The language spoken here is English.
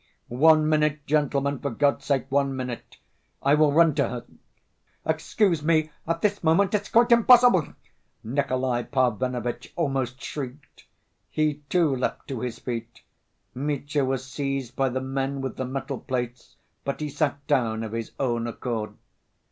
"One minute, gentlemen, for God's sake, one minute; I will run to her—" "Excuse me, at this moment it's quite impossible," Nikolay Parfenovitch almost shrieked. He, too, leapt to his feet. Mitya was seized by the men with the metal plates, but he sat down of his own accord....